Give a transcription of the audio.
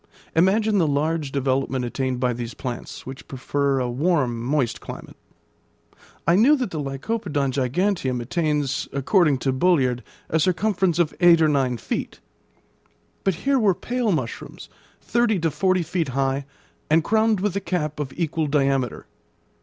Imagine the large development attained by these plants, which prefer a warm, moist climate. I knew that the Lycopodon giganteum attains, according to Bulliard, a circumference of eight or nine feet; but here were pale mushrooms, thirty to forty feet high, and crowned with a cap of equal diameter.